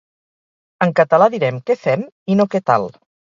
En català direm Què fem i no Què tal